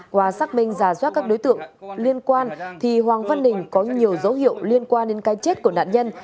qua xác minh giả soát các đối tượng liên quan thì hoàng văn đình có nhiều dấu hiệu liên quan đến cái chết của nạn nhân